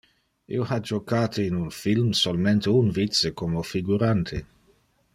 Io ha jocate in un film solmente un vice como figurante.